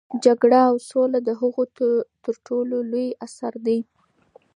جګړه او سوله د هغه تر ټولو لوی اثر دی.